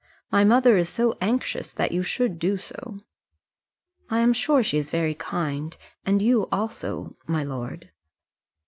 My mother is so anxious that you should do so." "I am sure she is very kind, and you also my lord."